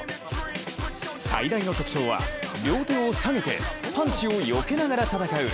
最大の特徴は両手を下げてパンチをよけながら戦う